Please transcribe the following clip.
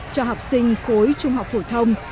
cho học sinh khối trung học phổ thông